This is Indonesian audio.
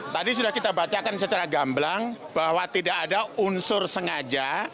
tadi sudah kita bacakan secara gamblang bahwa tidak ada unsur sengaja